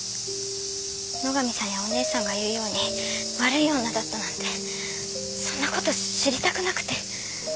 野上さんやお姉さんが言うように悪い女だったなんてそんなこと知りたくなくて。